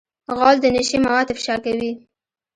غول د نشې مواد افشا کوي.